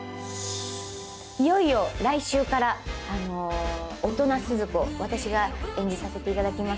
いよいよ来週から大人鈴子を私が演じさせていただきます。